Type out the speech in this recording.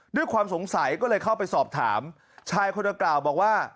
ด้วยความสงสัยก็เลยเข้าไปสอบถามชายคนดังกล่าวบอกว่า